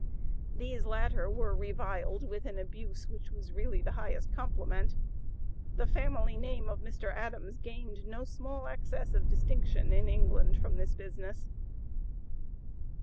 These latter were reviled with an abuse which was really the highest compliment. The family name of Mr. Adams gained no small access of distinction in (p. 098) England from this business.